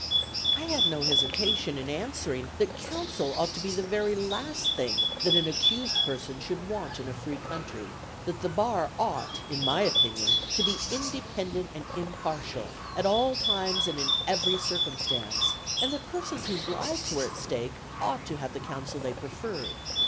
I had no hesitation in answering that counsel ought to be the very last thing that an accused person should want in a free country; that the bar ought, in my opinion, to be independent and impartial, at all times and in every circumstance, and that persons whose lives were at stake ought to have the counsel they preferred.